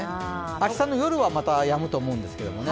明日の夜はまたやむと思うんですけれども。